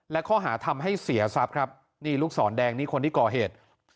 และข้อหาทำให้เสียทรัพย์ครับนี่ลูกศรแดงนี่คนที่ก่อเหตุ